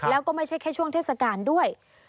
แล้วก็ไม่ใช่แค่ช่วงเทศกาลด้วย